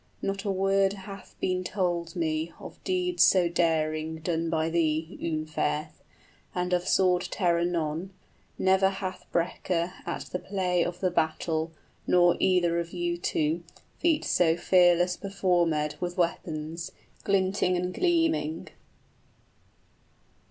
Not a word hath been told me Of deeds so daring done by thee, Unferth, 25 And of sword terror none; never hath Breca At the play of the battle, nor either of you two, Feat so fearless performèd with weapons Glinting and gleaming